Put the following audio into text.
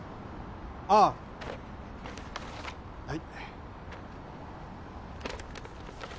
ああはい。